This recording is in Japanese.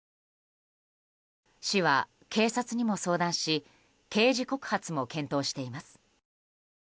市は警察にも相談し刑事告発も検討しています。